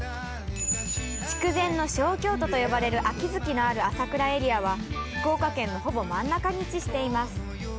筑前の小京都と呼ばれる秋月のある朝倉エリアは福岡県のほぼ真ん中に位置しています